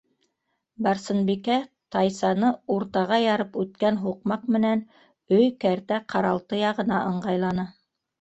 Барсынбикә тайсаны уртаға ярып үткән һуҡмаҡ менән өй, кәртә-ҡаралты яғына ыңғайланы.